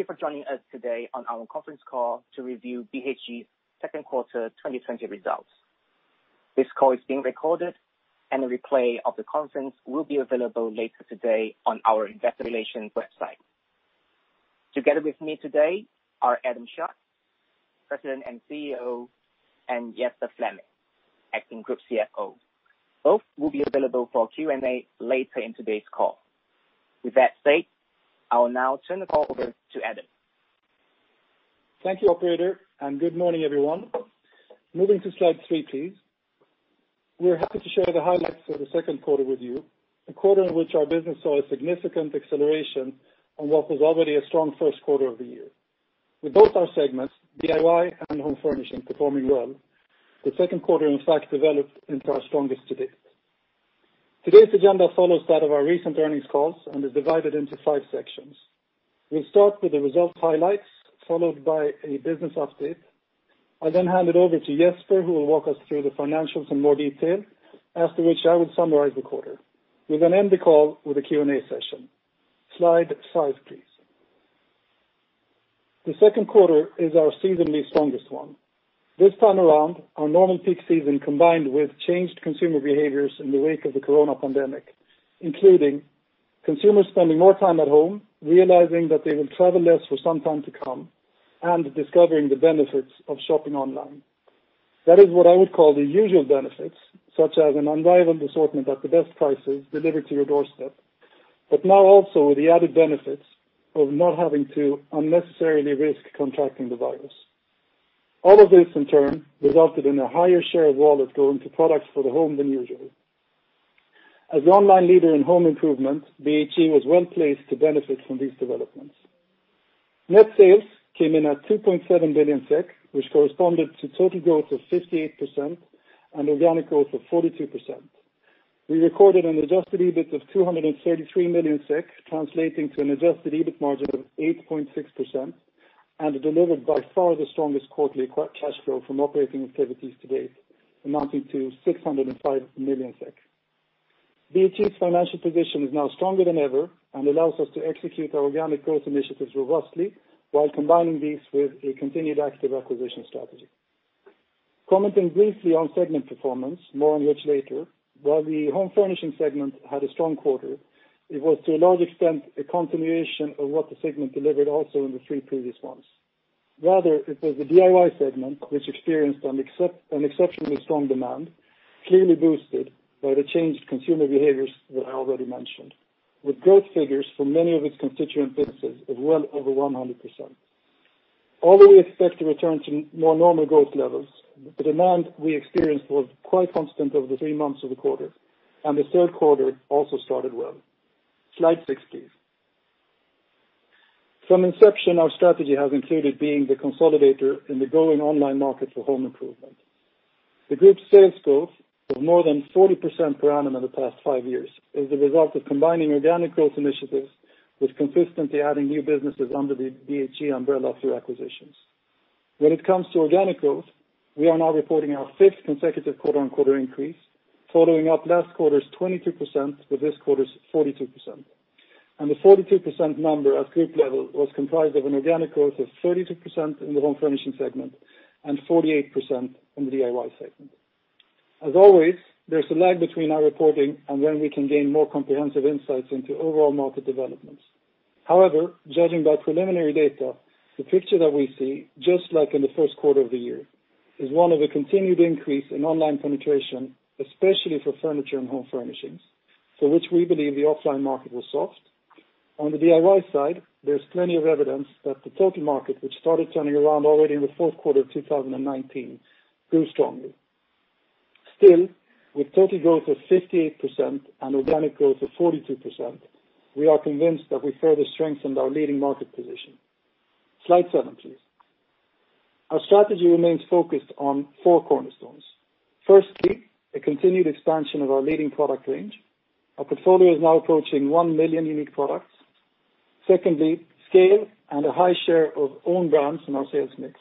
Thank you for joining us today on our conference call to review BHG's Second Quarter 2020 Results. This call is being recorded, and a replay of the conference will be available later today on our investor relations website. Together with me today are Adam Schatz, President and CEO, and Jesper Flemme, Acting Group CFO. Both will be available for Q&A later in today's call. With that said, I will now turn the call over to Adam. Thank you, Operator, and good morning, everyone. Moving to slide three, please. We're happy to share the highlights of the second quarter with you, a quarter in which our business saw a significant acceleration on what was already a strong first quarter of the year. With both our segments, DIY and Home Furnishing, performing well, the second quarter, in fact, developed into our strongest to date. Today's agenda follows that of our recent earnings calls and is divided into five sections. We'll start with the results highlights, followed by a business update. I'll then hand it over to Jesper, who will walk us through the financials in more detail, after which I will summarize the quarter. We'll then end the call with a Q&A session. Slide five, please. The second quarter is our seasonally strongest one. This time around, our normal peak season combined with changed consumer behaviors in the wake of the corona pandemic, including consumers spending more time at home, realizing that they will travel less for some time to come, and discovering the benefits of shopping online. That is what I would call the usual benefits, such as an unrivaled assortment at the best prices delivered to your doorstep, but now also with the added benefits of not having to unnecessarily risk contracting the virus. All of this, in turn, resulted in a higher share of wallets going to products for the home than usual. As the online leader in home improvement, BHG was well placed to benefit from these developments. Net sales came in at 2.7 billion SEK, which corresponded to total growth of 58% and organic growth of 42%. We recorded an adjusted EBIT of 233 million SEK, translating to an adjusted EBIT margin of 8.6%, and delivered by far the strongest quarterly cash flow from operating activities to date, amounting to 605 million SEK. BHG's financial position is now stronger than ever and allows us to execute our organic growth initiatives robustly while combining these with a continued active acquisition strategy. Commenting briefly on segment performance, more on which later, while the Home Furnishing segment had a strong quarter, it was to a large extent a continuation of what the segment delivered also in the three previous months. Rather, it was the DIY segment, which experienced an exceptionally strong demand, clearly boosted by the changed consumer behaviors that I already mentioned, with growth figures for many of its constituent businesses of well over 100%. Although we expect a return to more normal growth levels, the demand we experienced was quite constant over the three months of the quarter, and the third quarter also started well. Slide six, please. From inception, our strategy has included being the consolidator in the growing online market for home improvement. The group's sales growth of more than 40% per annum in the past five years is the result of combining organic growth initiatives with consistently adding new businesses under the BHG umbrella through acquisitions. When it comes to organic growth, we are now reporting our fifth consecutive quarter-on-quarter increase, following up last quarter's 22% with this quarter's 42%. And the 42% number at group level was comprised of an organic growth of 32% in the Home Furnishing segment and 48% in the DIY segment. As always, there's a lag between our reporting and when we can gain more comprehensive insights into overall market developments. However, judging by preliminary data, the picture that we see, just like in the first quarter of the year, is one of a continued increase in online penetration, especially for Furniture and Home Furnishings, for which we believe the offline market was soft. On the DIY side, there's plenty of evidence that the total market, which started turning around already in the fourth quarter of 2019, grew strongly. Still, with total growth of 58% and organic growth of 42%, we are convinced that we further strengthened our leading market position. Slide seven, please. Our strategy remains focused on four cornerstones. Firstly, a continued expansion of our leading product range. Our portfolio is now approaching one million unique products. Secondly, scale and a high share of own brands in our sales mix.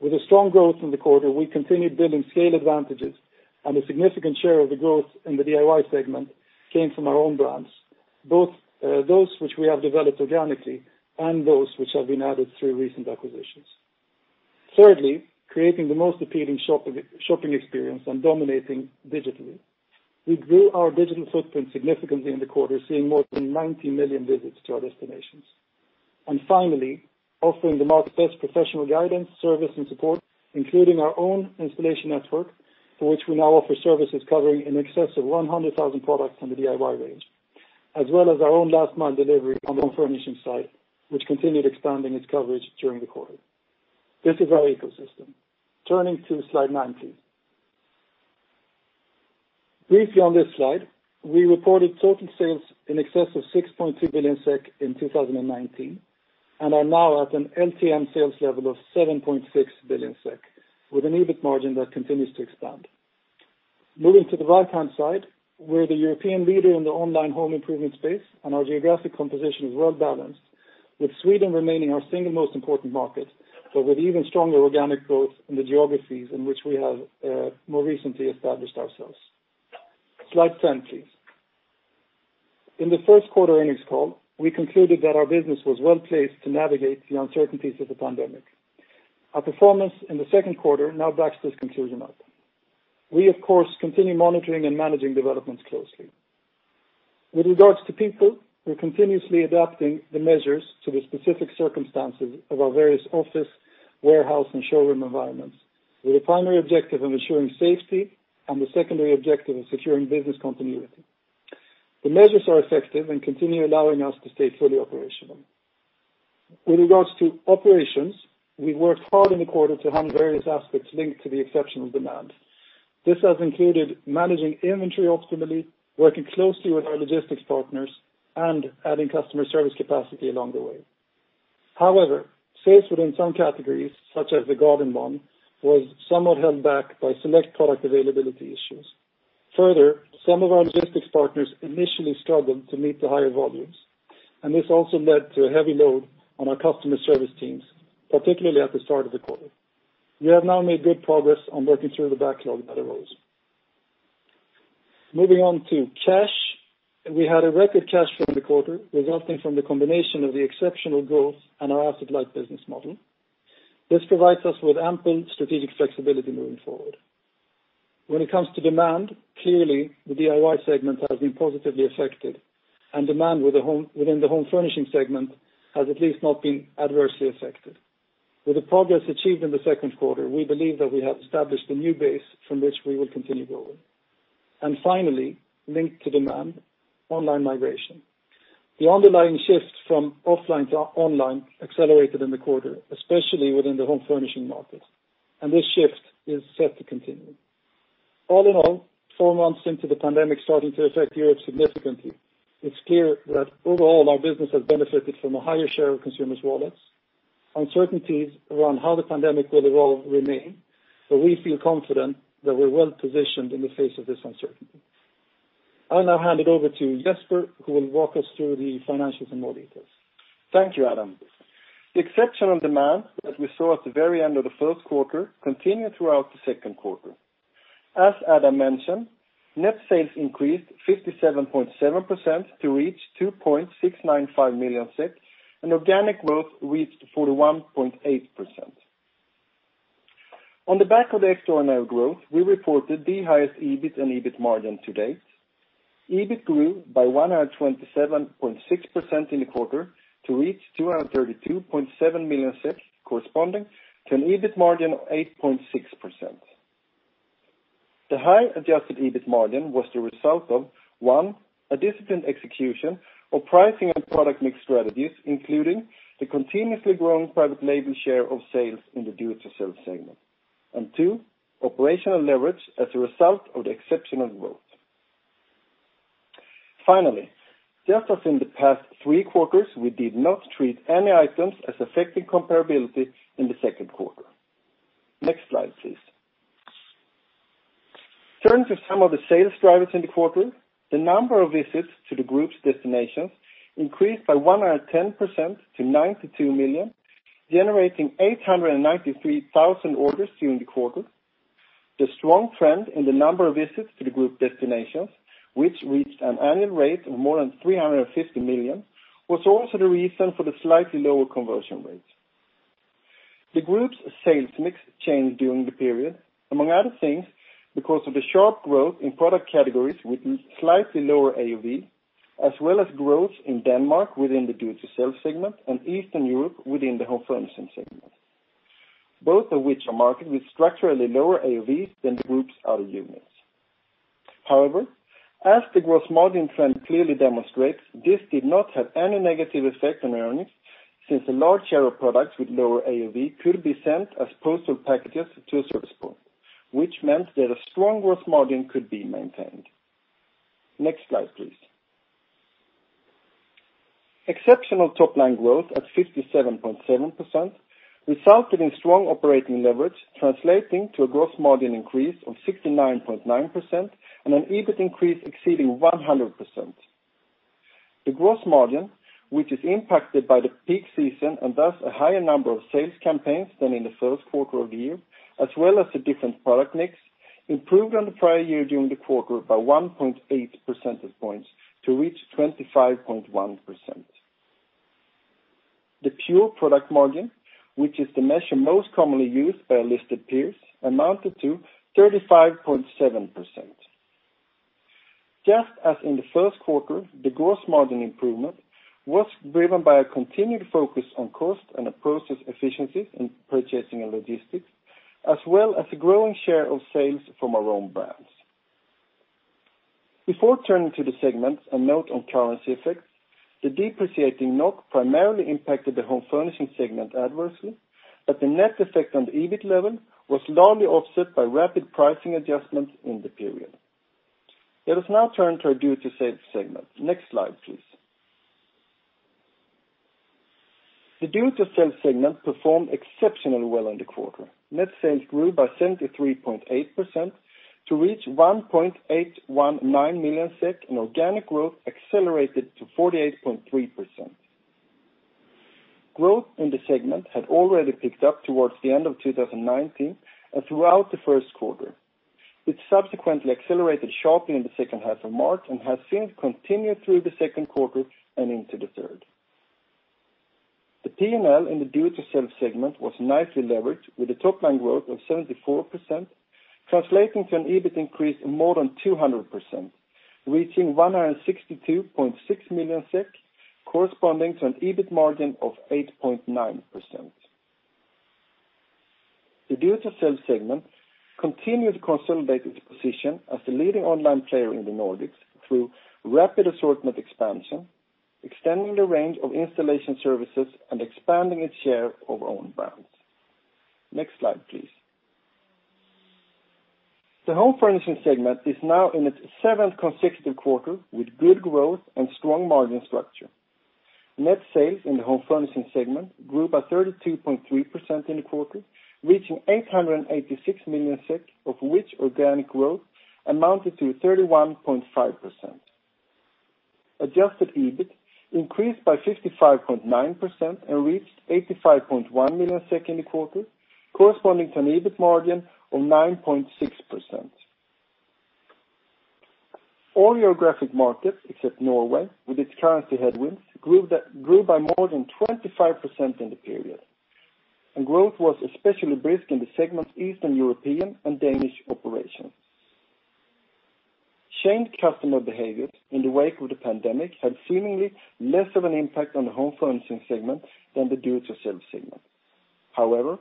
With a strong growth in the quarter, we continued building scale advantages, and a significant share of the growth in the DIY segment came from our own brands, both those which we have developed organically and those which have been added through recent acquisitions. Thirdly, creating the most appealing shopping experience and dominating digitally. We grew our digital footprint significantly in the quarter, seeing more than 90 million visits to our destinations. And finally, offering the market's best professional guidance, service, and support, including our own installation network, for which we now offer services covering in excess of 100,000 products in the DIY range, as well as our own last-mile delivery on the Home Furnishing side, which continued expanding its coverage during the quarter. This is our ecosystem. Turning to slide nine, please. Briefly on this slide, we reported total sales in excess of 6.2 billion SEK in 2019 and are now at an LTM sales level of 7.6 billion SEK, with an EBIT margin that continues to expand. Moving to the right-hand side, we're the European leader in the online home improvement space, and our geographic composition is well balanced, with Sweden remaining our single most important market, but with even stronger organic growth in the geographies in which we have more recently established ourselves. Slide 10, please. In the first quarter earnings call, we concluded that our business was well placed to navigate the uncertainties of the pandemic. Our performance in the second quarter now backs this conclusion up. We, of course, continue monitoring and managing developments closely. With regards to people, we're continuously adapting the measures to the specific circumstances of our various office, warehouse, and showroom environments, with a primary objective of ensuring safety and the secondary objective of securing business continuity. The measures are effective and continue allowing us to stay fully operational. With regards to operations, we've worked hard in the quarter to handle various aspects linked to the exceptional demand. This has included managing inventory optimally, working closely with our logistics partners, and adding customer service capacity along the way. However, sales within some categories, such as the Garden one, was somewhat held back by select product availability issues. Further, some of our logistics partners initially struggled to meet the higher volumes, and this also led to a heavy load on our customer service teams, particularly at the start of the quarter. We have now made good progress on working through the backlog that arose. Moving on to cash, we had a record cash flow in the quarter, resulting from the combination of the exceptional growth and our asset-light business model. This provides us with ample strategic flexibility moving forward. When it comes to demand, clearly, the DIY segment has been positively affected, and demand within the Home Furnishing segment has at least not been adversely affected. With the progress achieved in the second quarter, we believe that we have established a new base from which we will continue growing. And finally, linked to demand, online migration. The underlying shift from offline to online accelerated in the quarter, especially within the Home Furnishing market, and this shift is set to continue. All in all, four months into the pandemic starting to affect Europe significantly, it's clear that overall our business has benefited from a higher share of consumers' wallets. Uncertainties around how the pandemic will evolve remain, but we feel confident that we're well positioned in the face of this uncertainty. I'll now hand it over to Jesper, who will walk us through the financials in more detail. Thank you, Adam. The exceptional demand that we saw at the very end of the first quarter continued throughout the second quarter. As Adam mentioned, net sales increased 57.7% to reach 2.695 million, and organic growth reached 41.8%. On the back of the extraordinary growth, we reported the highest EBIT and EBIT margin to date. EBIT grew by 127.6% in the quarter to reach 232.7 million, corresponding to an EBIT margin of 8.6%. The high adjusted EBIT margin was the result of, one, a disciplined execution of pricing and product mix strategies, including the continuously growing private label share of sales in the DIY sales segment, and two, operational leverage as a result of the exceptional growth. Finally, just as in the past three quarters, we did not treat any items as affecting comparability in the second quarter. Next slide, please. Turning to some of the sales drivers in the quarter, the number of visits to the group's destinations increased by 110% to 92 million, generating 893,000 orders during the quarter. The strong trend in the number of visits to the group destinations, which reached an annual rate of more than 350 million, was also the reason for the slightly lower conversion rate. The group's sales mix changed during the period, among other things, because of the sharp growth in product categories with slightly lower AOV, as well as growth in Denmark within the DIY sales segment and Eastern Europe within the Home Furnishing segment, both of which are marketed with structurally lower AOVs than the group's other units. However, as the gross margin trend clearly demonstrates, this did not have any negative effect on earnings since a large share of products with lower AOV could be sent as postal packages to a service point, which meant that a strong gross margin could be maintained. Next slide, please. Exceptional top-line growth at 57.7% resulted in strong operating leverage, translating to a gross margin increase of 69.9% and an EBIT increase exceeding 100%. The gross margin, which is impacted by the peak season and thus a higher number of sales campaigns than in the first quarter of the year, as well as the different product mix, improved on the prior year during the quarter by 1.8 percentage points to reach 25.1%. The pure product margin, which is the measure most commonly used by our listed peers, amounted to 35.7%. Just as in the first quarter, the gross margin improvement was driven by a continued focus on cost and process efficiencies in purchasing and logistics, as well as a growing share of sales from our own brands. Before turning to the segments and note on currency effects, the depreciating NOK primarily impacted the Home Furnishing segment adversely, but the net effect on the EBIT level was largely offset by rapid pricing adjustments in the period. Let us now turn to our DIY sales segment. Next slide, please. The DIY sales segment performed exceptionally well in the quarter. Net sales grew by 73.8% to reach 1.819 million, and organic growth accelerated to 48.3%. Growth in the segment had already picked up towards the end of 2019 and throughout the first quarter. It subsequently accelerated sharply in the second half of March and has since continued through the second quarter and into the third. The P&L in the DIY sales segment was nicely leveraged, with a top-line growth of 74%, translating to an EBIT increase of more than 200%, reaching 162.6 million SEK, corresponding to an EBIT margin of 8.9%. The DIY sales segment continued to consolidate its position as the leading online player in the Nordics through rapid assortment expansion, extending the range of installation services and expanding its share of own brands. Next slide, please. The Home Furnishing segment is now in its seventh consecutive quarter with good growth and strong margin structure. Net sales in the Home Furnishing segment grew by 32.3% in the quarter, reaching 886 million SEK, of which organic growth amounted to 31.5%. Adjusted EBIT increased by 55.9% and reached 85.1 million in the quarter, corresponding to an EBIT margin of 9.6%. All geographic markets, except Norway, with its currency headwinds, grew by more than 25% in the period, and growth was especially brisk in the segments Eastern Europe and Danish operations. Changed customer behaviors in the wake of the pandemic had seemingly less of an impact on the Home Furnishing segment than the DIY segment. However,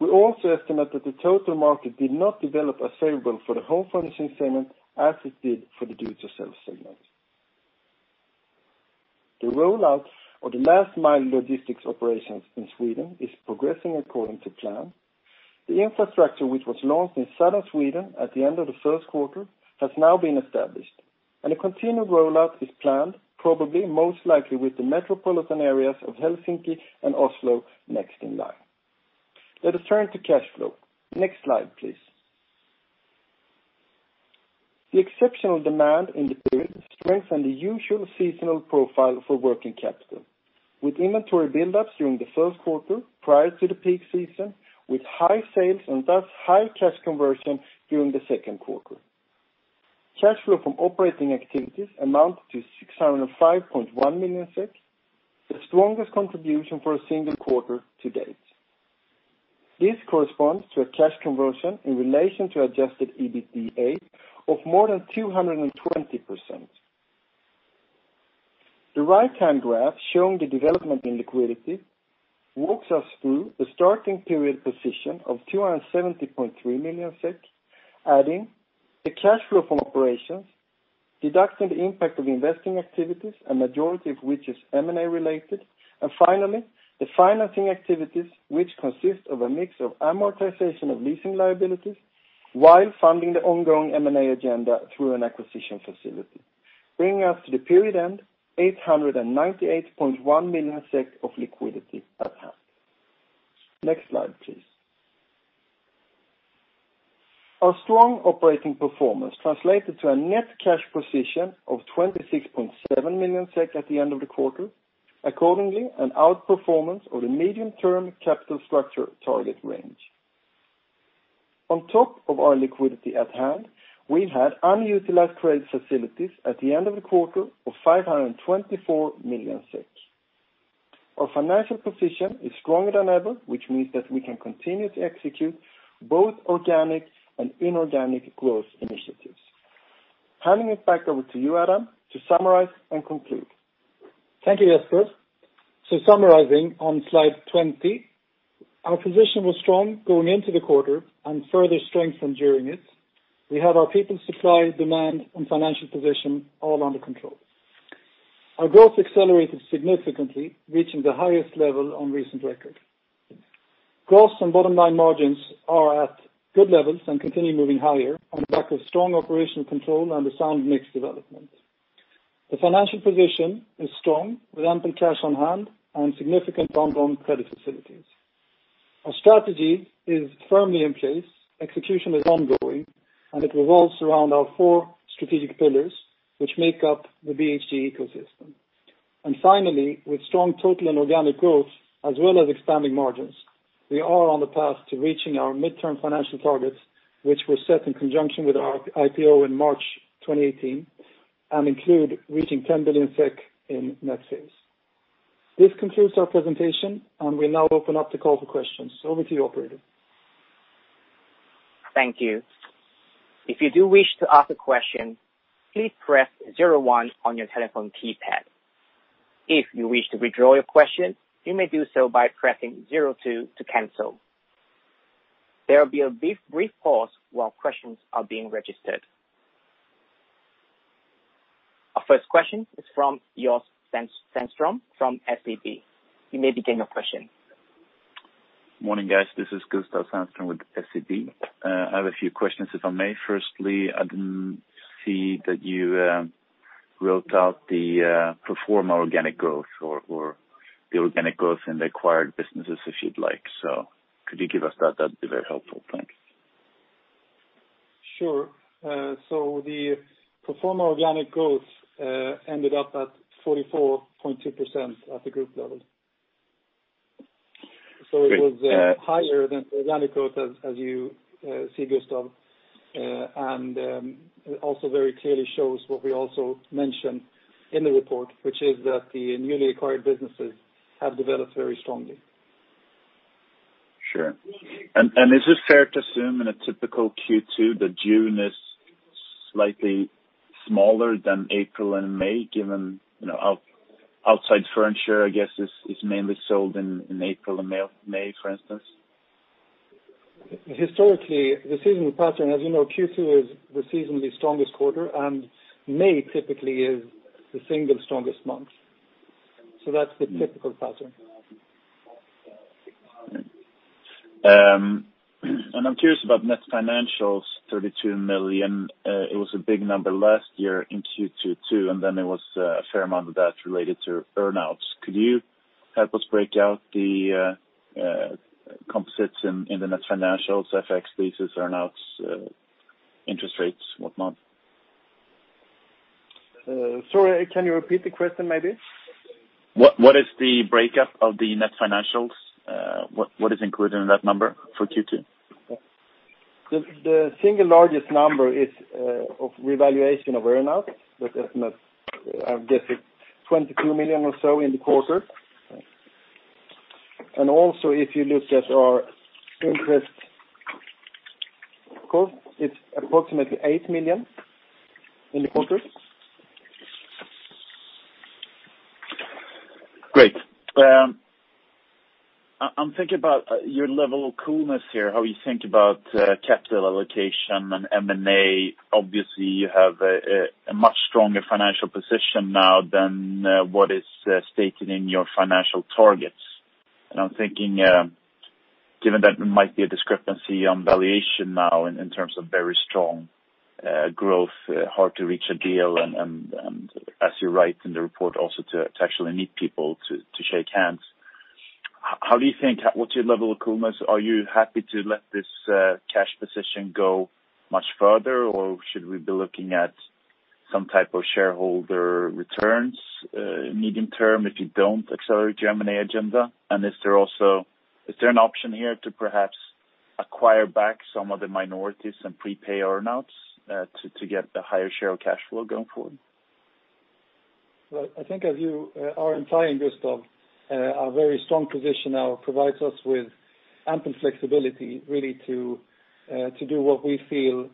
we also estimate that the total market did not develop as favorable for the Home Furnishing segment as it did for the DIY segment. The rollout of the last-mile logistics operations in Sweden is progressing according to plan. The infrastructure, which was launched in southern Sweden at the end of the first quarter, has now been established, and a continued rollout is planned, probably most likely with the metropolitan areas of Helsinki and Oslo next in line. Let us turn to cash flow. Next slide, please. The exceptional demand in the period strengthened the usual seasonal profile for working capital, with inventory build-ups during the first quarter prior to the peak season, with high sales and thus high cash conversion during the second quarter. Cash flow from operating activities amounted to 605.1 million SEK, the strongest contribution for a single quarter to date. This corresponds to a cash conversion in relation to adjusted EBITDA of more than 220%. The right-hand graph showing the development in liquidity walks us through the starting period position of 270.3 million SEK, adding the cash flow from operations, deducting the impact of investing activities, a majority of which is M&A related, and finally, the financing activities, which consist of a mix of amortization of leasing liabilities while funding the ongoing M&A agenda through an acquisition facility, bringing us to the period end, 898.1 million SEK of liquidity at hand. Next slide, please. Our strong operating performance translated to a net cash position of 26.7 million SEK at the end of the quarter, accordingly an outperformance of the medium-term capital structure target range. On top of our liquidity at hand, we had unutilized credit facilities at the end of the quarter of 524 million SEK. Our financial position is stronger than ever, which means that we can continue to execute both organic and inorganic growth initiatives. Handing it back over to you, Adam, to summarize and conclude. Thank you, Jesper. So summarizing on slide 20, our position was strong going into the quarter and further strengthened during it. We had our people, supply, demand, and financial position all under control. Our growth accelerated significantly, reaching the highest level on recent record. Costs and bottom-line margins are at good levels and continue moving higher on the back of strong operational control and a sound mix development. The financial position is strong with ample cash on hand and significant bond-loan credit facilities. Our strategy is firmly in place. Execution is ongoing, and it revolves around our four strategic pillars, which make up the BHG ecosystem. Finally, with strong total and organic growth, as well as expanding margins, we are on the path to reaching our midterm financial targets, which were set in conjunction with our IPO in March 2018 and include reaching 10 billion SEK in net sales. This concludes our presentation, and we'll now open up the call for questions. Over to you, Operator. Thank you. If you do wish to ask a question, please press zero one on your telephone keypad. If you wish to withdraw your question, you may do so by pressing zero two to cancel. There will be a brief pause while questions are being registered. Our first question is from Gustav Sandström from SEB. You may begin your question. Morning, guys. This is Gustav Sandström with SEB. I have a few questions, if I may. Firstly, I didn't see that you wrote out the pro forma organic growth or the organic growth in the acquired businesses, if you'd like. So could you give us that? That'd be very helpful. Thanks. Sure. So the pro forma organic growth ended up at 44.2% at the group level. So it was higher than the organic growth, as you see, Gustav, and also very clearly shows what we also mentioned in the report, which is that the newly acquired businesses have developed very strongly. Sure. And is it fair to assume in a typical Q2 that June is slightly smaller than April and May, given outdoor furniture, I guess, is mainly sold in April and May, for instance? Historically, the seasonal pattern, as you know, Q2 is the seasonally strongest quarter, and May typically is the single strongest month, so that's the typical pattern. I'm curious about net financials. 32 million. It was a big number last year in Q2 too, and then there was a fair amount of that related to earnouts. Could you help us break out the composites in the net financials, FX, leases, earnouts, interest rates, whatnot? Sorry, can you repeat the question maybe? What is the breakdown of the net financials? What is included in that number for Q2? The single largest number is of revaluation of earnouts. I guess it's 22 million or so in the quarter. And also, if you look at our interest, of course, it's approximately 8 million in the quarter. Great. I'm thinking about your level of coolness here, how you think about capital allocation and M&A. Obviously, you have a much stronger financial position now than what is stated in your financial targets. And I'm thinking, given that there might be a discrepancy on valuation now in terms of very strong growth, hard to reach a deal, and as you write in the report, also to actually meet people to shake hands. How do you think? What's your level of coolness? Are you happy to let this cash position go much further, or should we be looking at some type of shareholder returns medium term if you don't accelerate your M&A agenda? And is there an option here to perhaps acquire back some of the minorities and prepay earnouts to get a higher share of cash flow going forward? Well, I think, as you are implying, Gustav, our very strong position now provides us with ample flexibility really to do what we feel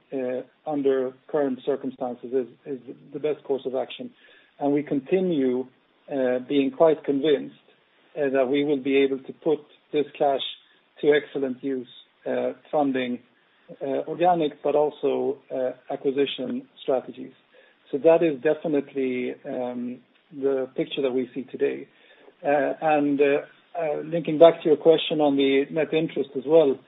under current circumstances is the best course of action. And we continue being quite convinced that we will be able to put this cash to excellent use, funding organic, but also acquisition strategies. So that is definitely the picture that we see today. And linking back to your question on the net interest as well,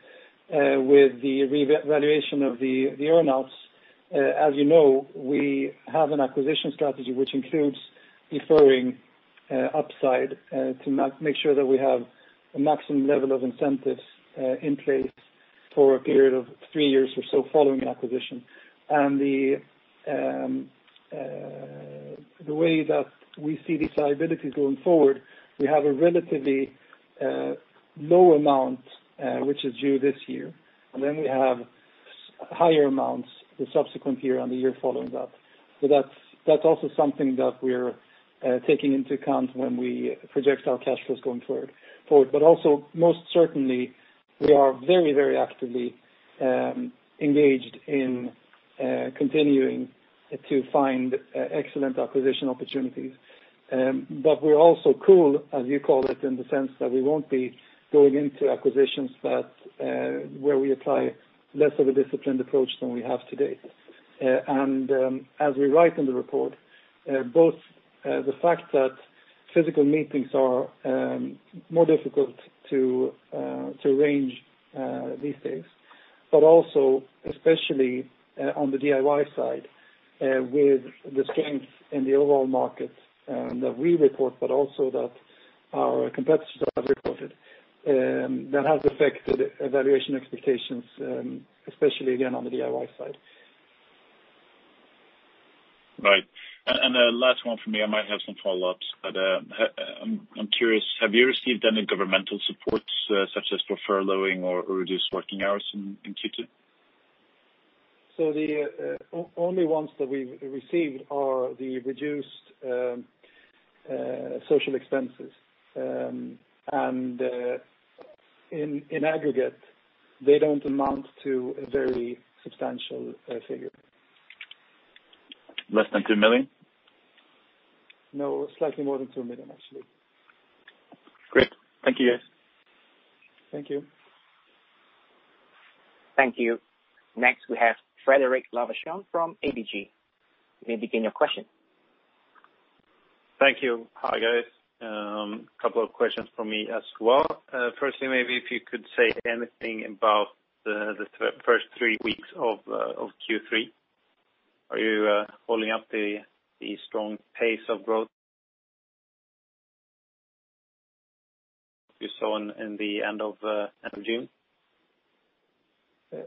with the revaluation of the earnouts, as you know, we have an acquisition strategy which includes deferring upside to make sure that we have a maximum level of incentives in place for a period of three years or so following acquisition. And the way that we see these liabilities going forward, we have a relatively low amount, which is due this year, and then we have higher amounts the subsequent year and the year following that. So that's also something that we're taking into account when we project our cash flows going forward. But also, most certainly, we are very, very actively engaged in continuing to find excellent acquisition opportunities. But we're also cool, as you call it, in the sense that we won't be going into acquisitions where we apply less of a disciplined approach than we have today. As we write in the report, both the fact that physical meetings are more difficult to arrange these days, but also especially on the DIY side, with the strength in the overall market that we report, but also that our competitors have reported, that has affected valuation expectations, especially again on the DIY side. Right. And the last one for me, I might have some follow-ups, but I'm curious, have you received any governmental supports such as furloughing or reduced working hours in Q2? The only ones that we've received are the reduced social expenses. In aggregate, they don't amount to a very substantial figure. Less than two million? No, slightly more than two million, actually. Great. Thank you, guys. Thank you. Thank you. Next, we have Fredrik Ivarsson from ABG. You may begin your question. Thank you. Hi, guys. A couple of questions for me as well. Firstly, maybe if you could say anything about the first three weeks of Q3. Are you holding up the strong pace of growth you saw in the end of June?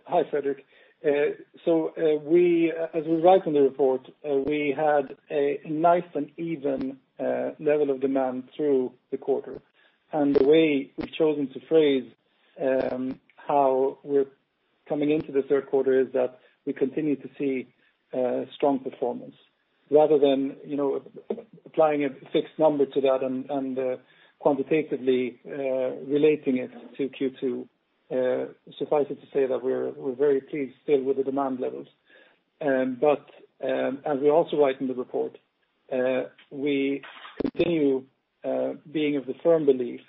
Hi, Fredrik. So as we write in the report, we had a nice and even level of demand through the quarter. And the way we've chosen to phrase how we're coming into the third quarter is that we continue to see strong performance. Rather than applying a fixed number to that and quantitatively relating it to Q2, suffice it to say that we're very pleased still with the demand levels. But as we also write in the report, we continue being of the firm belief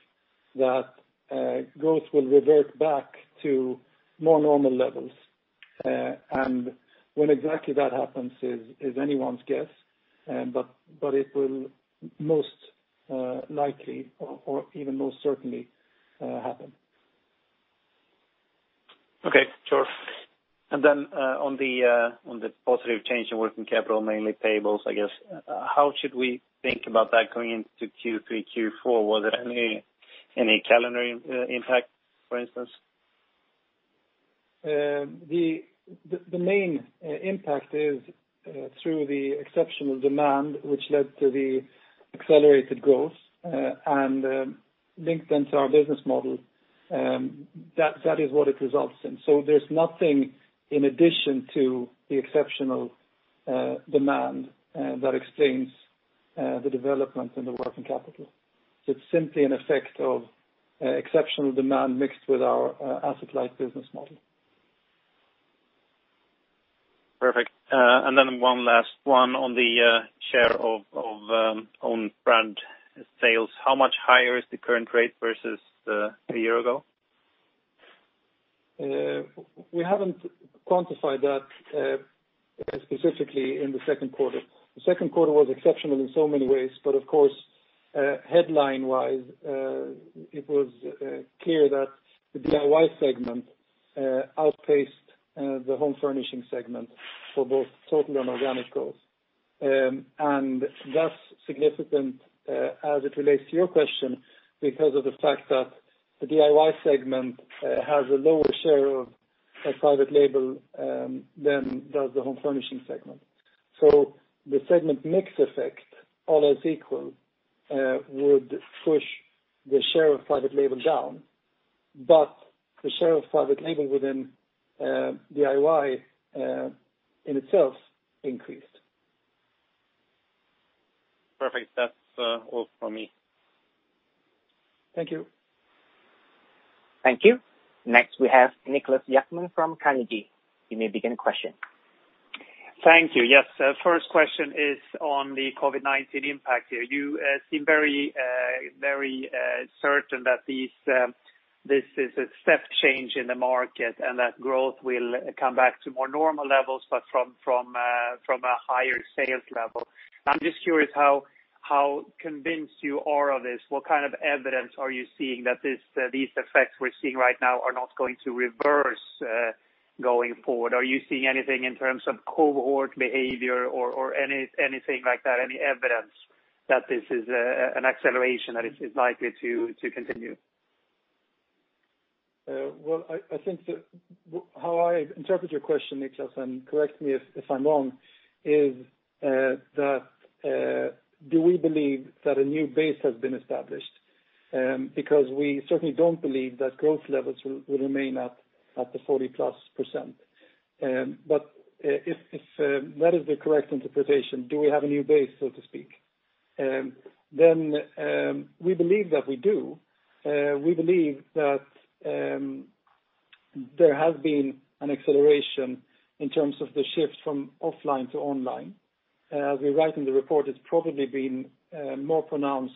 that growth will revert back to more normal levels. And when exactly that happens is anyone's guess, but it will most likely, or even most certainly, happen. Okay. Sure. And then on the positive change in working capital mainly payables, I guess, how should we think about that going into Q3, Q4? Was there any calendar impact, for instance? The main impact is through the exceptional demand, which led to the accelerated growth and linked into our business model. That is what it results in. So there's nothing in addition to the exceptional demand that explains the development in the working capital. It's simply an effect of exceptional demand mixed with our asset-light business model. Perfect. And then one last one on the share of own brand sales. How much higher is the current rate versus a year ago? We haven't quantified that specifically in the second quarter. The second quarter was exceptional in so many ways, but of course, headline-wise, it was clear that the DIY segment outpaced the Home Furnishing segment for both total and organic growth. And that's significant as it relates to your question because of the fact that the DIY segment has a lower share of private label than does the Home Furnishing segment. So the segment mix effect, all as equal, would push the share of private label down, but the share of private label within DIY in itself increased. Perfect. That's all from me. Thank you. Thank you. Next, we have Niklas Ekman from Carnegie. You may begin your question. Thank you. Yes. First question is on the COVID-19 impact. You seem very certain that this is a step change in the market and that growth will come back to more normal levels, but from a higher sales level. I'm just curious how convinced you are of this. What kind of evidence are you seeing that these effects we're seeing right now are not going to reverse going forward? Are you seeing anything in terms of cohort behavior or anything like that, any evidence that this is an acceleration that is likely to continue? I think how I interpret your question, Niklas, and correct me if I'm wrong, is that do we believe that a new base has been established? Because we certainly don't believe that growth levels will remain at the 40+%. But if that is the correct interpretation, do we have a new base, so to speak? Then we believe that we do. We believe that there has been an acceleration in terms of the shift from offline to online. As we write in the report, it's probably been more pronounced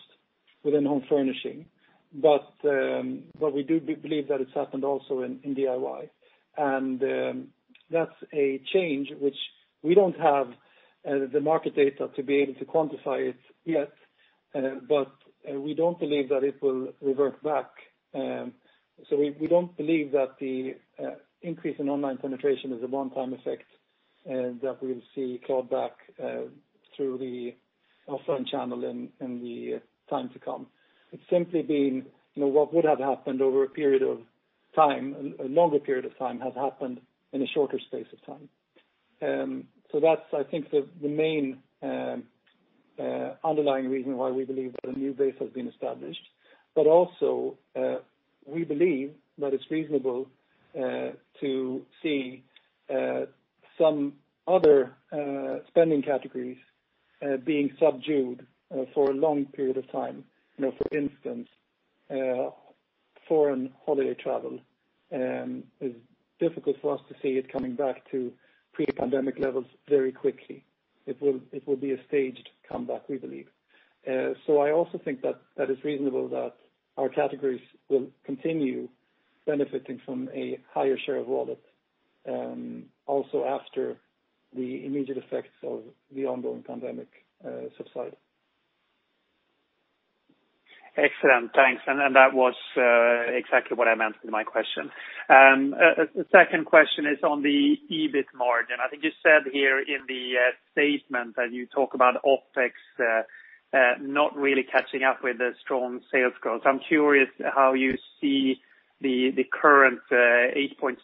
within Home Furnishing, but we do believe that it's happened also in DIY. And that's a change which we don't have the market data to be able to quantify it yet, but we don't believe that it will revert back. So we don't believe that the increase in online penetration is a one-time effect that we'll see called back through the offline channel in the time to come. It's simply been what would have happened over a period of time, a longer period of time has happened in a shorter space of time. So that's, I think, the main underlying reason why we believe that a new base has been established. But also, we believe that it's reasonable to see some other spending categories being subdued for a long period of time. For instance, foreign holiday travel is difficult for us to see it coming back to pre-pandemic levels very quickly. It will be a staged comeback, we believe. So I also think that it's reasonable that our categories will continue benefiting from a higher share of wallets also after the immediate effects of the ongoing pandemic subside. Excellent. Thanks. And that was exactly what I meant with my question. Second question is on the EBIT margin. I think you said here in the statement that you talk about OpEx not really catching up with the strong sales growth. I'm curious how you see the current 8.6%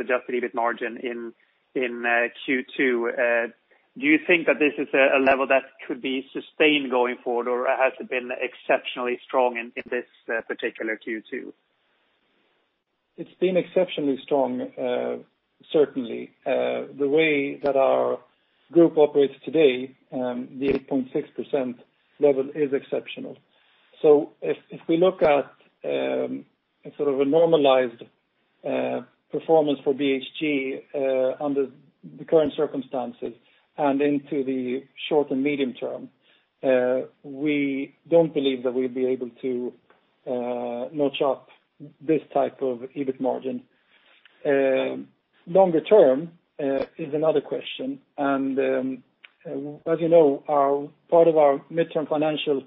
adjusted EBIT margin in Q2. Do you think that this is a level that could be sustained going forward, or has it been exceptionally strong in this particular Q2? It's been exceptionally strong, certainly. The way that our group operates today, the 8.6% level is exceptional. So if we look at sort of a normalized performance for BHG under the current circumstances and into the short and medium term, we don't believe that we'll be able to notch up this type of EBIT margin. Longer term is another question. And as you know, part of our midterm financial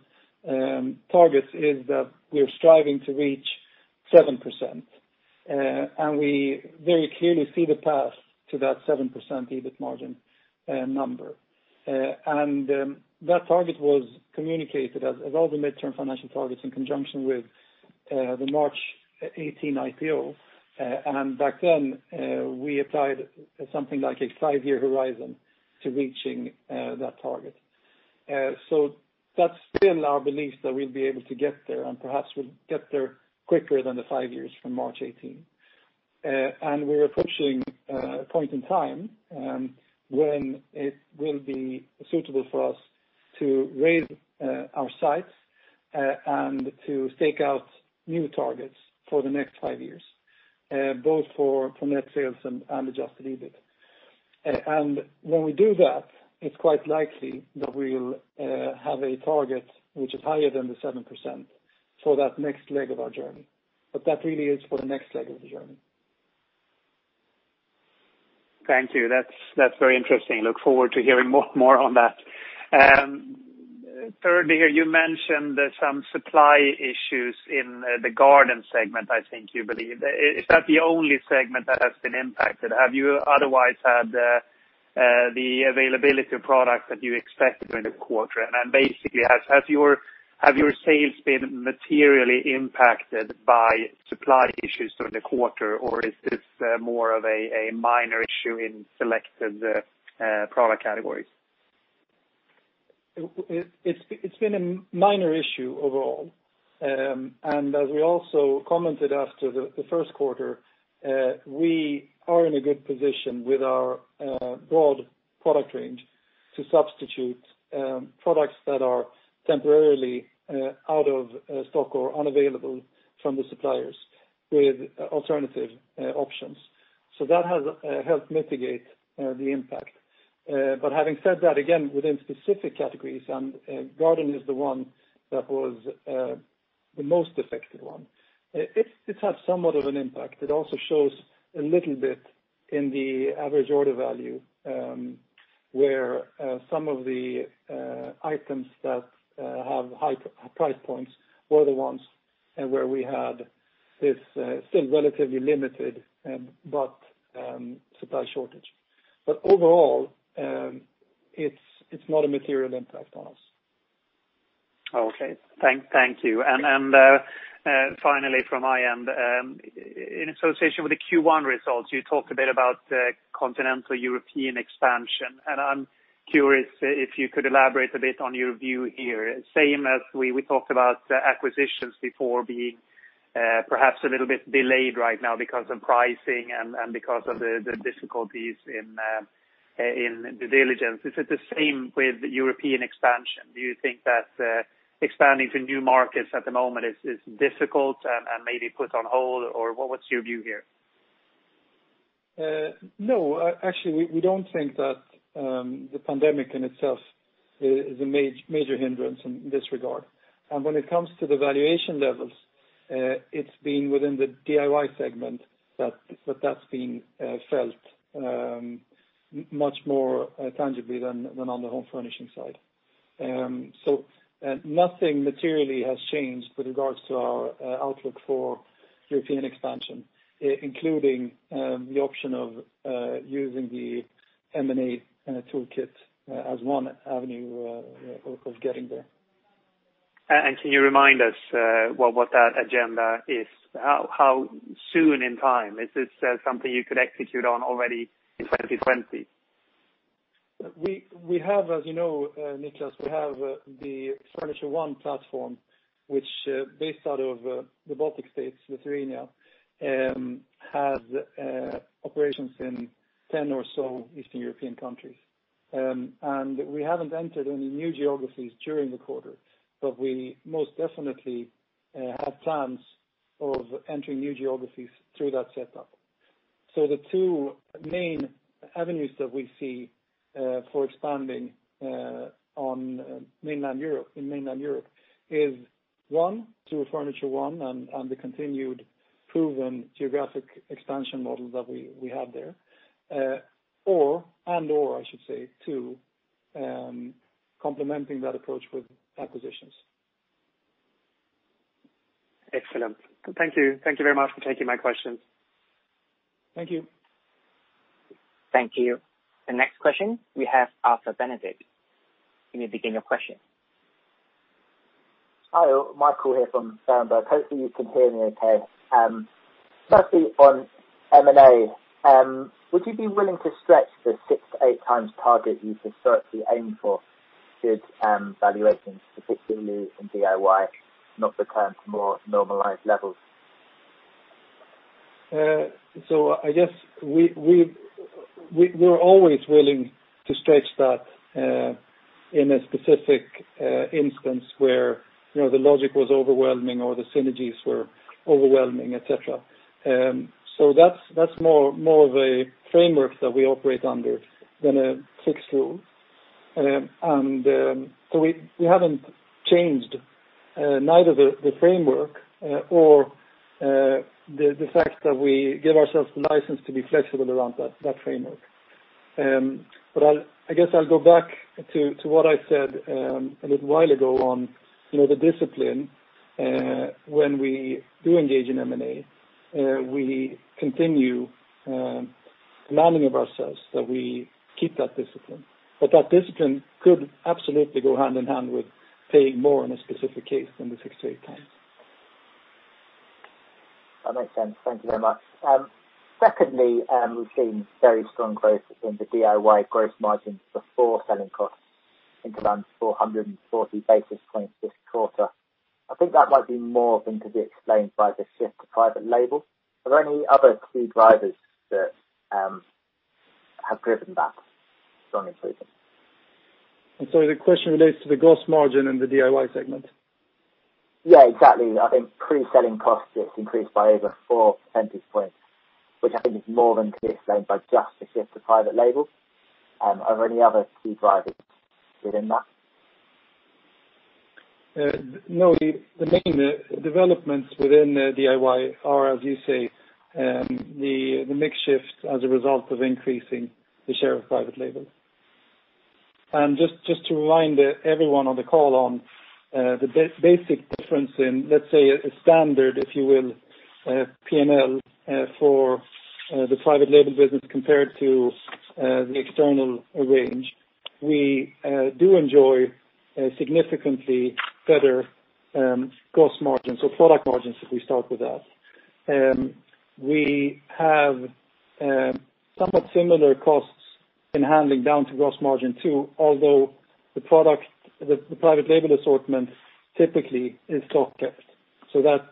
targets is that we're striving to reach 7%. And we very clearly see the path to that 7% EBIT margin number. And that target was communicated as all the midterm financial targets in conjunction with the March 18 IPO. And back then, we applied something like a five-year horizon to reaching that target. So that's still our belief that we'll be able to get there and perhaps we'll get there quicker than the five years from March 18. And we're approaching a point in time when it will be suitable for us to raise our size and to stake out new targets for the next five years, both for net sales and Adjusted EBIT. And when we do that, it's quite likely that we'll have a target which is higher than the 7% for that next leg of our journey. But that really is for the next leg of the journey. Thank you. That's very interesting. Look forward to hearing more on that. Thirdly, you mentioned some supply issues in the Garden segment, I think you believe. Is that the only segment that has been impacted? Have you otherwise had the availability of product that you expected during the quarter? And basically, has your sales been materially impacted by supply issues during the quarter, or is this more of a minor issue in selected product categories? It's been a minor issue overall. And as we also commented after the first quarter, we are in a good position with our broad product range to substitute products that are temporarily out of stock or unavailable from the suppliers with alternative options. So that has helped mitigate the impact. But having said that, again, within specific categories, Garden is the one that was the most affected one. It's had somewhat of an impact. It also shows a little bit in the average order value where some of the items that have high price points were the ones where we had this still relatively limited, but supply shortage. But overall, it's not a material impact on us. Okay. Thank you. And finally, from my end, in association with the Q1 results, you talked a bit about continental European expansion. And I'm curious if you could elaborate a bit on your view here. Same as we talked about acquisitions before being perhaps a little bit delayed right now because of pricing and because of the difficulties in due diligence. Is it the same with European expansion? Do you think that expanding to new markets at the moment is difficult and maybe put on hold, or what's your view here? No. Actually, we don't think that the pandemic in itself is a major hindrance in this regard, and when it comes to the valuation levels, it's been within the DIY segment that that's been felt much more tangibly than on the Home Furnishing side, so nothing materially has changed with regards to our outlook for European expansion, including the option of using the M&A toolkit as one avenue of getting there. Can you remind us what that agenda is? How soon in time? Is this something you could execute on already in 2020? We have, as you know, Niklas, we have the Furniture1 platform, which, based out of the Baltic States, Lithuania, has operations in 10 or so Eastern European countries, and we haven't entered any new geographies during the quarter, but we most definitely have plans of entering new geographies through that setup, so the two main avenues that we see for expanding in mainland Europe is, one, through Furniture1 and the continued proven geographic expansion model that we have there, and/or, I should say, two, complementing that approach with acquisitions. Excellent. Thank you. Thank you very much for taking my questions. Thank you. Thank you. The next question, we have Michael Benedict. You may begin your question. Hi, Michael here from Berenberg. Hopefully, you can hear me okay. Firstly, on M&A, would you be willing to stretch the six to eight times target you historically aimed for should valuations, particularly in DIY, not return to more normalized levels? So I guess we're always willing to stretch that in a specific instance where the logic was overwhelming or the synergies were overwhelming, etc. So that's more of a framework that we operate under than a fixed rule. And so we haven't changed neither the framework nor the fact that we give ourselves the license to be flexible around that framework. But I guess I'll go back to what I said a little while ago on the discipline. When we do engage in M&A, we continue demanding of ourselves that we keep that discipline. But that discipline could absolutely go hand in hand with paying more in a specific case than the six-to-eight times. That makes sense. Thank you very much. Secondly, we've seen very strong growth in the DIY gross margins before selling costs into around 440 basis points this quarter. I think that might be more than could be explained by the shift to private label. Are there any other key drivers that have driven that strong improvement? The question relates to the gross margin in the DIY segment? Yeah, exactly. I think pre-selling costs just increased by over four percentage points, which I think is more than could be explained by just the shift to private label. Are there any other key drivers within that? No, the main developments within DIY are, as you say, the mix shift as a result of increasing the share of private label, and just to remind everyone on the call on the basic difference in, let's say, a standard, if you will, P&L for the private label business compared to the external range, we do enjoy significantly better gross margins or product margins if we start with that. We have somewhat similar costs in handling down to gross margin too, although the private label assortment typically is stock kept. So that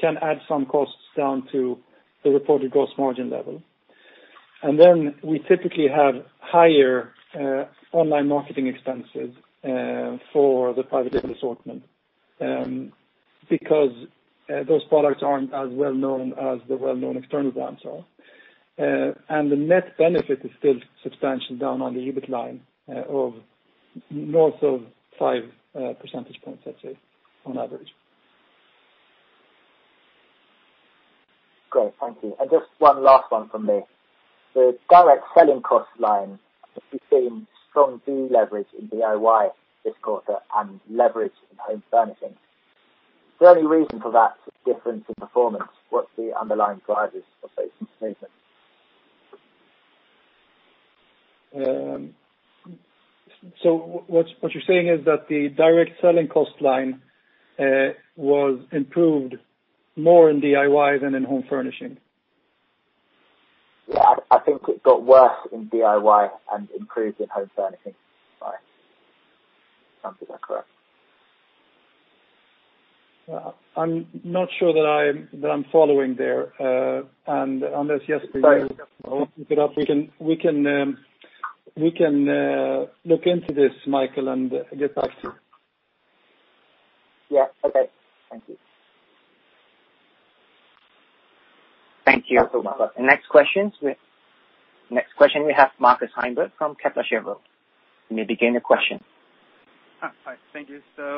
can add some costs down to the reported gross margin level, and then we typically have higher online marketing expenses for the private label assortment because those products aren't as well known as the well-known external brands are. The net benefit is still substantial down on the EBIT line of north of 5 percentage points, let's say, on average. Great. Thank you. And just one last one from me. The direct selling cost line became strong de-leverage in DIY this quarter and leverage in Home Furnishing. Is there any reason for that difference in performance? What's the underlying drivers of this movement? So what you're saying is that the direct selling cost line was improved more in DIY than in Home Furnishing? Yeah. I think it got worse in DIY and improved in Home Furnishing. Sounds about correct. I'm not sure that I'm following there, and unless yesterday we can look into this, Michael, and get back to you. Yeah. Okay. Thank you. Thank you. Next question, we have Markus Heiberg from Kepler Cheuvreux. You may begin your question. Hi. Thank you. So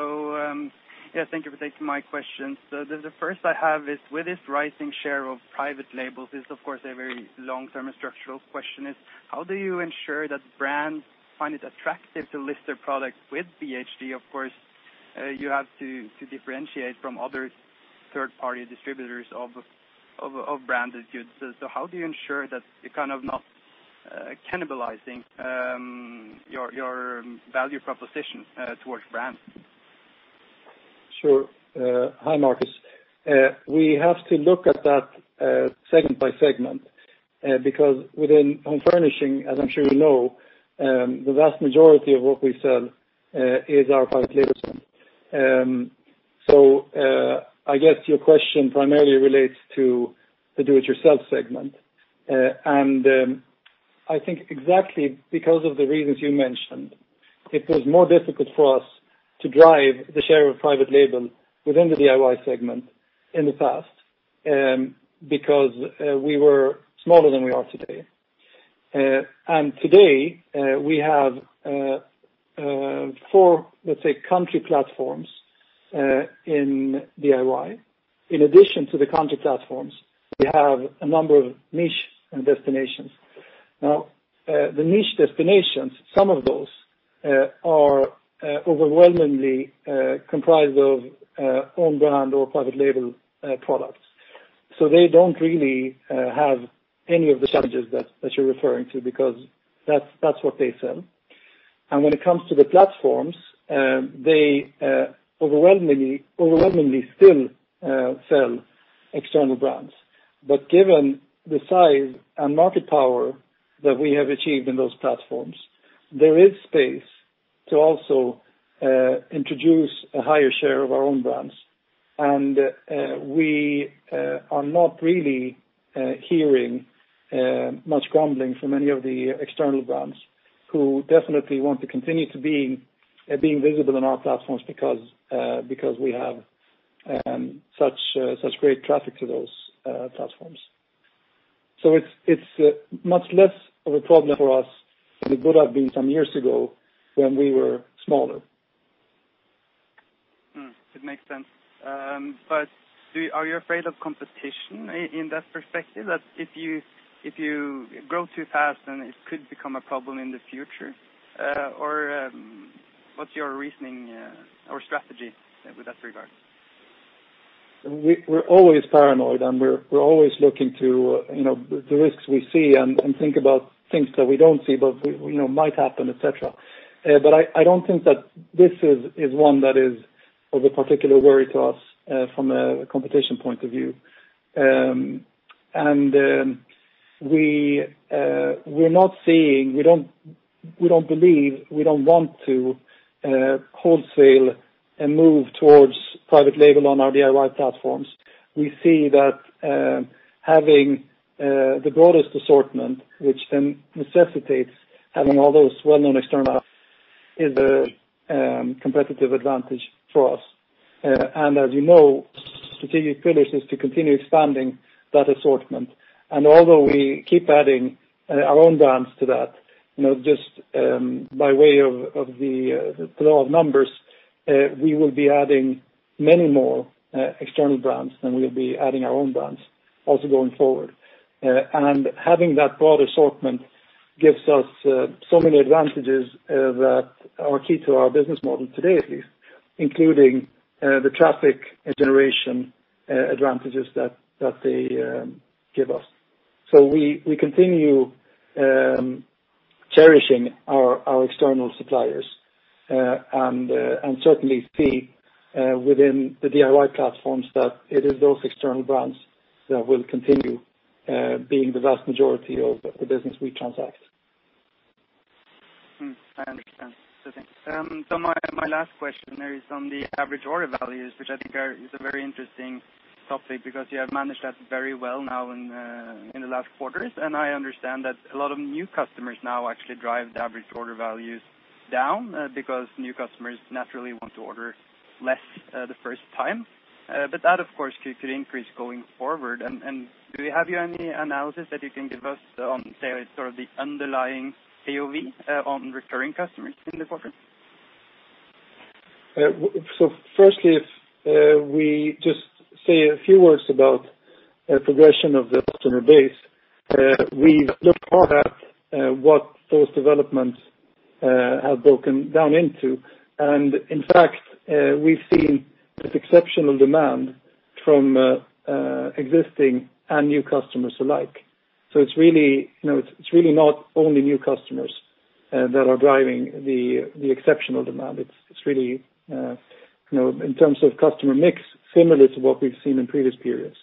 yeah, thank you for taking my question. So the first I have is, with this rising share of private labels, this is, of course, a very long-term structural question. How do you ensure that brands find it attractive to list their products with BHG? Of course, you have to differentiate from other third-party distributors of branded goods. So how do you ensure that you're kind of not cannibalizing your value proposition towards brands? Sure. Hi, Markus. We have to look at that segment by segment because within Home Furnishing, as I'm sure you know, the vast majority of what we sell is our private labels, so I guess your question primarily relates to the do-it-yourself segment. And I think exactly because of the reasons you mentioned, it was more difficult for us to drive the share of private label within the DIY segment in the past because we were smaller than we are today, and today, we have four, let's say, country platforms in DIY. In addition to the country platforms, we have a number of niche destinations. Now, the niche destinations, some of those are overwhelmingly comprised of own brand or private label products, so they don't really have any of the challenges that you're referring to because that's what they sell. And when it comes to the platforms, they overwhelmingly still sell external brands. But given the size and market power that we have achieved in those platforms, there is space to also introduce a higher share of our own brands. And we are not really hearing much grumbling from any of the external brands who definitely want to continue to be visible on our platforms because we have such great traffic to those platforms. So it's much less of a problem for us than it would have been some years ago when we were smaller. It makes sense. But are you afraid of competition in that perspective, that if you grow too fast, then it could become a problem in the future? Or what's your reasoning or strategy with that regard? We're always paranoid, and we're always looking to the risks we see and think about things that we don't see but might happen, etc. But I don't think that this is one that is of a particular worry to us from a competition point of view. And we're not seeing, we don't believe, we don't want to wholesale and move towards private label on our DIY platforms. We see that having the broadest assortment, which then necessitates having all those well-known external brands, is a competitive advantage for us. And as you know, strategic pillars is to continue expanding that assortment. And although we keep adding our own brands to that, just by way of the law of numbers, we will be adding many more external brands than we'll be adding our own brands also going forward. And having that broad assortment gives us so many advantages that are key to our business model today, at least, including the traffic and generation advantages that they give us. So we continue cherishing our external suppliers and certainly see within the DIY platforms that it is those external brands that will continue being the vast majority of the business we transact. I understand. So my last question is on the average order values, which I think is a very interesting topic because you have managed that very well now in the last quarters. And I understand that a lot of new customers now actually drive the average order values down because new customers naturally want to order less the first time. But that, of course, could increase going forward. And do we have any analysis that you can give us on, say, sort of the underlying AOV on recurring customers in the quarter? So firstly, if we just say a few words about the progression of the customer base, we've looked hard at what those developments have broken down into. And in fact, we've seen exceptional demand from existing and new customers alike. So it's really not only new customers that are driving the exceptional demand. It's really, in terms of customer mix, similar to what we've seen in previous periods,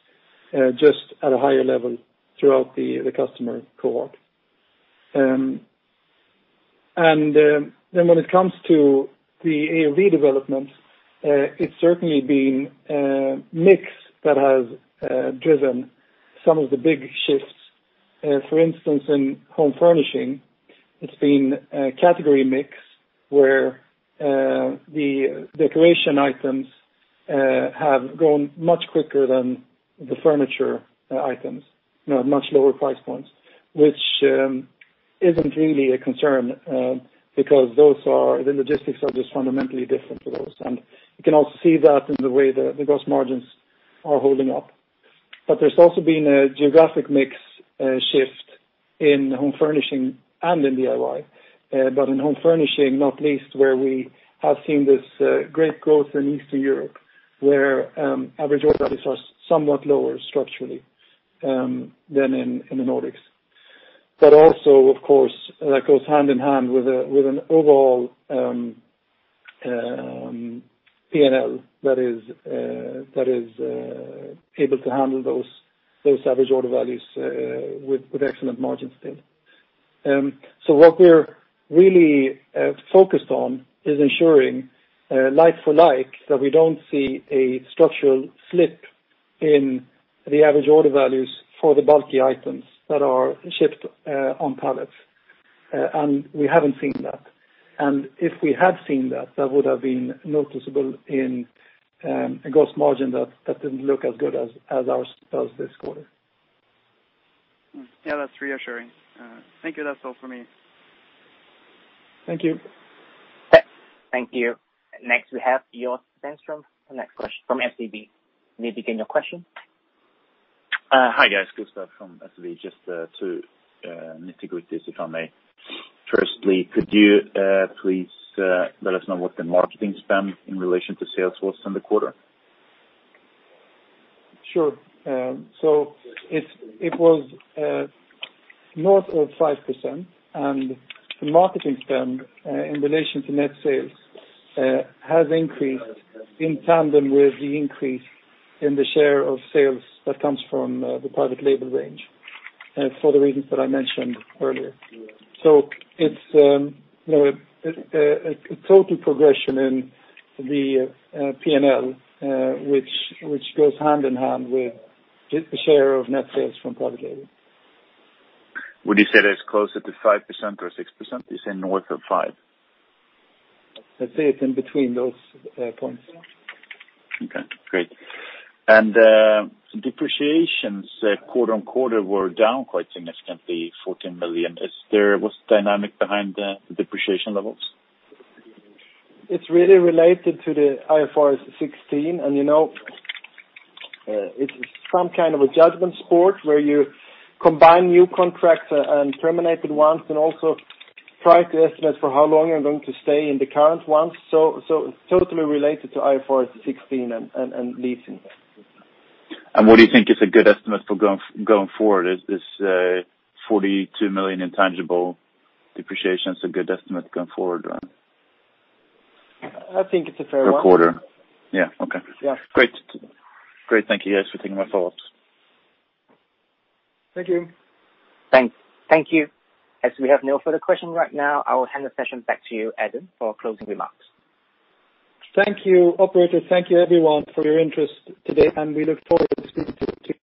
just at a higher level throughout the customer cohort. And then when it comes to the AOV development, it's certainly been a mix that has driven some of the big shifts. For instance, in Home Furnishing, it's been a category mix where the decoration items have grown much quicker than the furniture items at much lower price points, which isn't really a concern because the logistics are just fundamentally different for those. And you can also see that in the way that the gross margins are holding up. But there's also been a geographic mix shift in Home Furnishing and in DIY, but in Home Furnishing, not least, where we have seen this great growth in Eastern Europe, where average order values are somewhat lower structurally than in the Nordics. But also, of course, that goes hand in hand with an overall P&L that is able to handle those average order values with excellent margins still. So what we're really focused on is ensuring like for like that we don't see a structural slip in the average order values for the bulky items that are shipped on pallets. And we haven't seen that. And if we had seen that, that would have been noticeable in a gross margin that didn't look as good as ours does this quarter. Yeah, that's reassuring. Thank you. That's all for me. Thank you. Thank you. Next, we have Gustav Sandström from SEB. You may begin your question. Hi, guys. Gustav from SEB. Just two nitty-gritties, if I may. Firstly, could you please let us know what the marketing spend in relation to sales was in the quarter? Sure. So it was north of 5%. And the marketing spend in relation to net sales has increased in tandem with the increase in the share of sales that comes from the private label range for the reasons that I mentioned earlier. So it's a total progression in the P&L, which goes hand in hand with the share of net sales from private label. Would you say that's closer to 5% or 6%? You say north of 5%? Let's say it's in between those points. Okay. Great. And depreciation quarter on quarter were down quite significantly, 14 million. Was there dynamic behind the depreciation levels? It's really related to the IFRS 16, and it's some kind of a judgment call where you combine new contracts and terminated ones and also try to estimate for how long you're going to stay in the current ones, so it's totally related to IFRS 16 and leasing. What do you think is a good estimate for going forward? Is 42 million intangible depreciation a good estimate going forward? I think it's a fair one. Per quarter. Yeah. Okay. Yeah. Great. Great. Thank you, guys, for taking my follow-ups. Thank you. Thanks. Thank you. As we have no further questions right now, I will hand the session back to you, Adam, for closing remarks. Thank you, Operator. Thank you, everyone, for your interest today, and we look forward to speaking to.